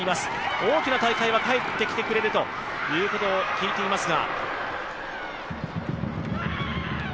大きな大会は帰ってきてくれるということを聞いていますが。